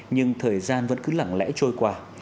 nhưng thời gian vẫn cứ lặng lẽ trôi qua